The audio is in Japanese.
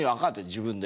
自分で。